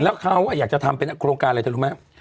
แล้วเขาอยากจะทำเป็นโครงการอะไรเธอรู้ไหม